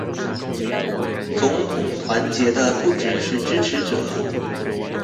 總統團結的不只是支持者